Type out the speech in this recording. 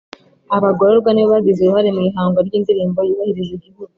Abagororwa nibo bagize uruhare mu ihangwa ry’indirimbo yubahiriza igihugu